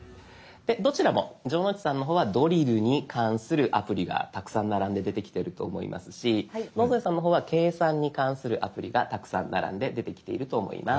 どちらも城之内さんの方はドリルに関するアプリがたくさん並んで出てきてると思いますし野添さんの方は計算に関するアプリがたくさん並んで出てきていると思います。